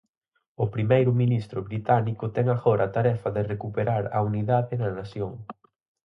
O primeiro ministro británico ten agora a tarefa de recuperar a unidade na nación.